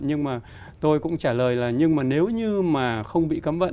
nhưng mà tôi cũng trả lời là nhưng mà nếu như mà không bị cấm vận